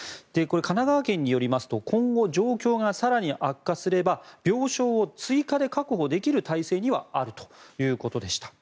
神奈川県によりますと今後更に状況が悪化すれば病床を追加で確保できる体制にはあるということでした。